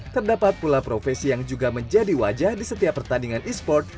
terdapat pula profesi yang juga menjadi wajah di setiap pertandingan e sport